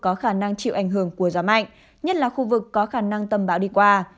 có khả năng chịu ảnh hưởng của gió mạnh nhất là khu vực có khả năng tầm bão đi qua